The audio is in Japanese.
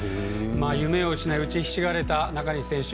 夢を失い打ちひしがれた中西選手。